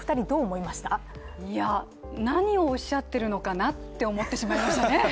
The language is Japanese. いや、何をおっしゃっているのかなって思ってしまいましたね。